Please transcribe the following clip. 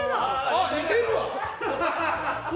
あ、似てるわ！